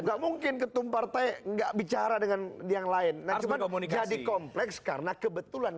enggak mungkin ketumpar teh enggak bicara dengan yang lain nah komunikasi kompleks karena kebetulan